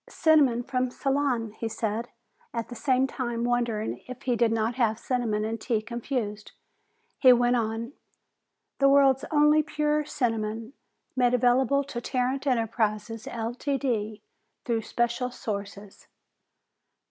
"Cinnamon from Ceylon," he said, at the same time wondering if he did not have cinnamon and tea confused. He went on, "The world's only pure cinnamon, made available to Tarrant Enterprises, Ltd., through special sources."